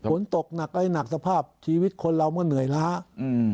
ผลตกหนักอะไรหนักสภาพชีวิตคนเรามันเหนื่อยล้ะอืม